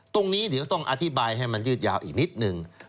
ตรงนี้เดี๋ยวต้องอธิบายให้มันยืดยาวอีกนิดนึง